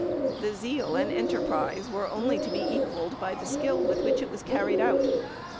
The zeal and enterprise were only to be equaled by the skill with which it was carried out.